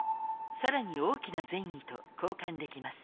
更に大きな善意と交換できます。